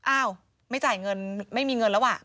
อ้าวไม่จ่ายเงินไม่มีเงินแล้วอ่ะ